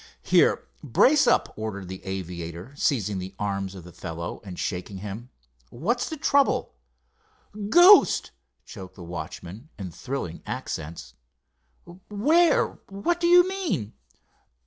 "Here, brace up," ordered the aviator, seizing the arms of the fellow and shaking him. "What's the trouble?" "Ghost!" choked out the watchman, in thrilling accents. "Where—what do you mean?"